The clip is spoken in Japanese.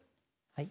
はい。